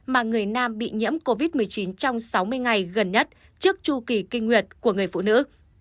mà người nam bị nhiễm covid một mươi chín trong sáu mươi ngày gần nhất trước chu kỳ kinh nguyệt của người phụ nữ